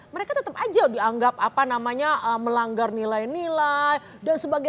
mereka tetap aja dianggap melanggar nilai nilai dan sebagainya